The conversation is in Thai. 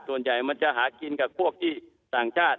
ส่วนใหญ่มันจะหากินกับพวกที่ต่างชาติ